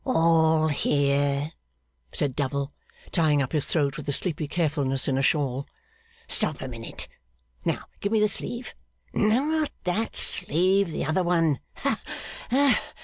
'All here,' said Double, tying up his throat with sleepy carefulness in a shawl. 'Stop a minute. Now give me the sleeve not that sleeve, the other one. Ha!